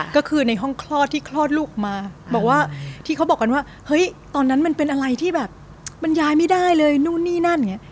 ก็คือในห้องคลอดที่คลอดลูกออกมาบอกว่าที่เขาบอกกันว่าเฮ้ยตอนนั้นมันเป็นอะไรที่แบบมันย้ายไม่ได้เลยนู่นนี่นั่นอย่างนี้